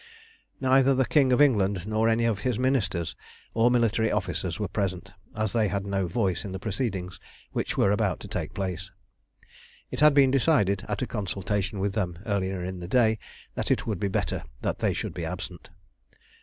Neither the King of England nor any of his Ministers or military officers were present, as they had no voice in the proceedings which were about to take place. It had been decided, at a consultation with them earlier in the day, that it would be better that they should be absent.